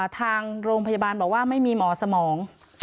ทางโรงพยาบาลบอกว่าไม่มีหมอสมอง